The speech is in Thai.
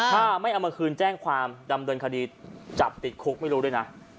ถ้าไม่เอามาคืนแจ้งความดำเนินคดีจับติดคุกไม่รู้ด้วยนะ